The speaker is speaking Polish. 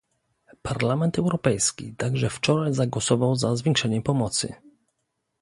Parlament Europejski także wczoraj zagłosował za zwiększeniem pomocy